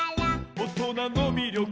「おとなのみりょく」